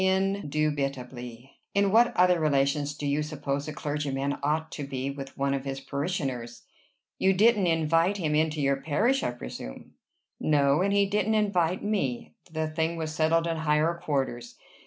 "Indubitably. In what other relations do you suppose a clergyman ought to be with one of his parishioners?" "You didn't invite him into your parish, I presume." "No; and he didn't invite me. The thing was settled in higher quarters.